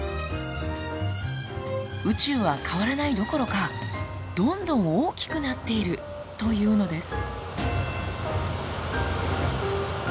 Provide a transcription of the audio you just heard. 宇宙は変わらないどころかどんどん大きくなっているというのです。